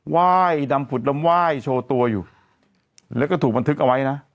ไหว้ดำผุดดำไหว้โชว์ตัวอยู่แล้วก็ถูกบันทึกเอาไว้นะ